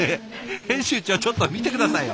編集長ちょっと見て下さいよ！